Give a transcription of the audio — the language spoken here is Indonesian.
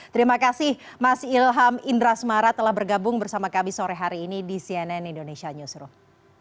terima kasih mas ilham indrasmara telah bergabung bersama kami sore hari ini di cnn indonesia newsroom